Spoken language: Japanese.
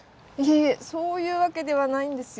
いえそういうわけではないんですよ。